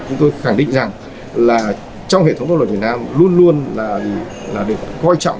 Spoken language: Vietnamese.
chúng tôi khẳng định rằng là trong hệ thống pháp luật việt nam luôn luôn là để coi trọng